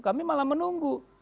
kami malah menunggu